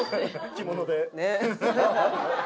着物で。